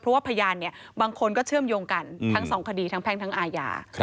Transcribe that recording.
เพราะว่าพยานบางคนก็เชื่อมโยงกันทั้งสองคดีทั้งแพ่งทั้งอาญา